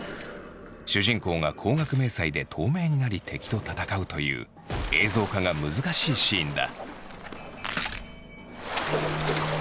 主人公が光学迷彩で透明になり敵と戦うという映像化が難しいシーンだ。